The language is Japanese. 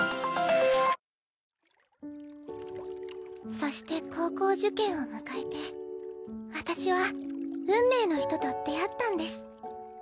そして高校受験を迎えて私は運命の人と出会ったんです。